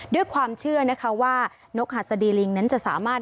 ด้วยความเชื่อนะคะว่านกหัสดีลิงนั้นจะสามารถ